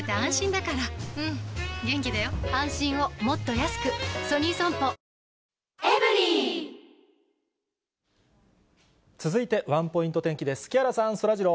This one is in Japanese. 皆さん、続いてワンポイント天気です。